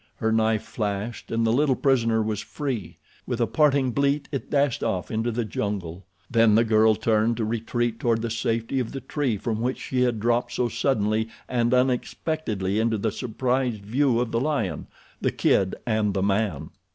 Her knife flashed, and the little prisoner was free. With a parting bleat it dashed off into the jungle. Then the girl turned to retreat toward the safety of the tree from which she had dropped so suddenly and unexpectedly into the surprised view of the lion, the kid and the man.